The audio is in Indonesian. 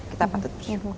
kita patut bersyukur